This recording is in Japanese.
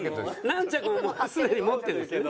何着ももうすでに持ってるんですよね？